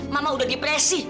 mama udah depresi